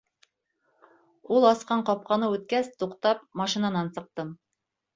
Ул асҡан ҡапҡаны үткәс, туҡтап, машинанан сыҡтым.